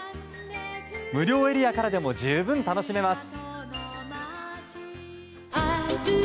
無料エリアからでも十分楽しめます。